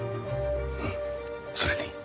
うんそれでいい。